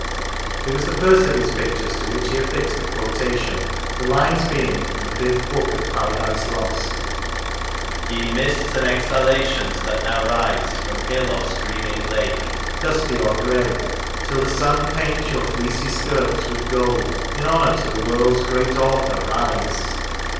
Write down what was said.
It was the first of his pictures to which he affixed a quotation, 149 Lancashire the lines being from the fifth book of " Paradise Lost ": Ye mists and exhalations that now rise From hill or streaming lake, dusky or gray, Till the sun paint your fleecy skirts with gold, In honour to the world's great Author rise.